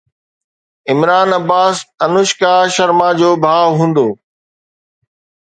عمران عباس انوشڪا شرما جو ڀاءُ هوندو